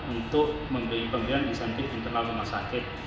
untuk memberikan insentif internal rumah sakit